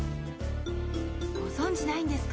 ご存じないんですか？